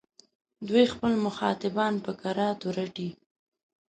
دوی خپل مخاطبان په کراتو رټي.